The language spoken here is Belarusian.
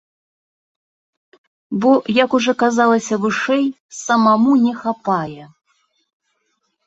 Бо, як ужо казалася вышэй, самому не хапае.